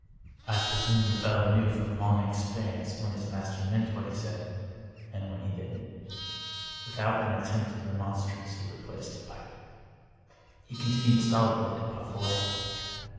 I presume the fellow knew from long experience when his master meant what he said, and when he didn't. With out an attempt at remonstrance he replaced the pipe. He continued stolidly to puff away.